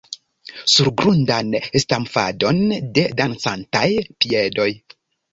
Surgrundan stamfadon de dancantaj piedoj.